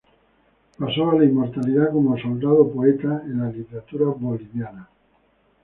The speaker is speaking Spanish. Paso a la inmortalidad como "Soldado Poeta" en la literatura Boliviana.